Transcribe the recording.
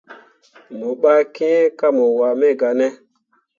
Mo ɓah kiŋ ko mo waaneml gah ne.